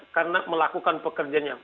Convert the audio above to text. karena melakukan pekerjanya